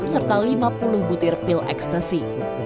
serta lima puluh butir pil ekstasi